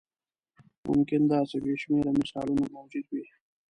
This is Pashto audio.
ممکن داسې بې شمېره مثالونه موجود وي.